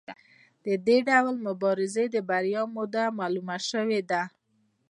د دې ډول مبارزې د بریا موده معلومه شوې ده.